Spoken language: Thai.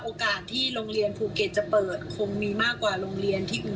โอกาสที่โรงเรียนภูเก็ตจะเปิดคงมีมากกว่าโรงเรียนที่อื่น